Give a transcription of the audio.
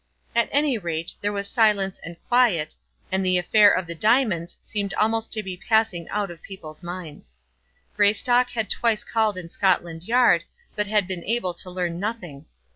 At any rate, there was silence and quiet, and the affair of the diamonds seemed almost to be passing out of people's minds. Greystock had twice called in Scotland Yard, but had been able to learn nothing.